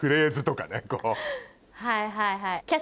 はいはいはい。